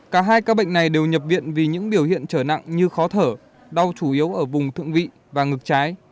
cả hai ca bệnh này đều nhập viện vì những biểu hiện trở nặng như khó thở đau chủ yếu ở vùng thượng vị và ngực trái